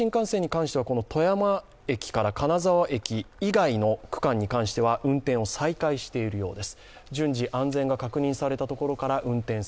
どうも北陸新幹線に関しては富山駅から金沢駅以外の区間に関しては運転を再開しているようです。